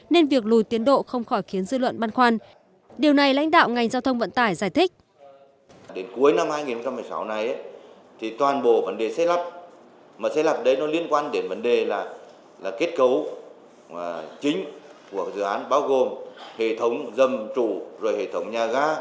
nên việc lùi tiến độ không khỏi khiến dư luận băn khoăn